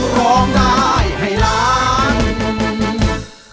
พร้อมได้ให้รัก